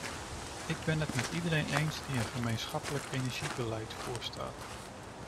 Ik ben het met iedereen eens die een gemeenschappelijk energiebeleid voorstaat.